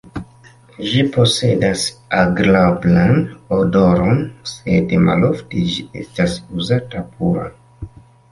Ĝi posedas agrablan odoron, sed malofte ĝi estas uzata pura.